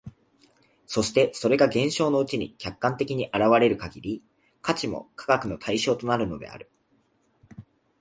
そしてそれが現象のうちに客観的に現れる限り、価値も科学の対象となるのである。